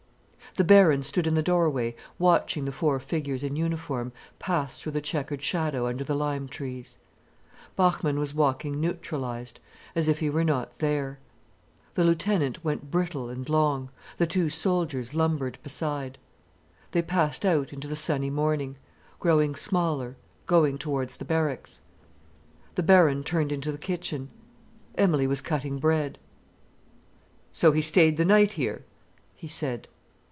The Baron stood in the doorway watching the four figures in uniform pass through the chequered shadow under the lime trees. Bachmann was walking neutralized, as if he were not there. The lieutenant went brittle and long, the two soldiers lumbered beside. They passed out into the sunny morning, growing smaller, going towards the barracks. The Baron turned into the kitchen. Emilie was cutting bread. "So he stayed the night here?" he said.